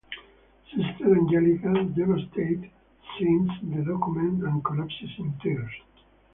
Sister Angelica, devastated, signs the document and collapses in tears.